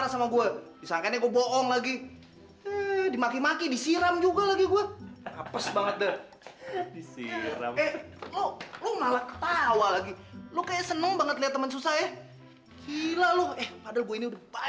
sampai jumpa di video selanjutnya